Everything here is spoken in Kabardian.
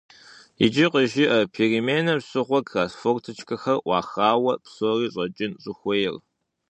Иджы къыжыӀэ переменэм щыгъуэ класс форточкэхэр Ӏухауэ псори щӀэкӀын щӀыхуейр.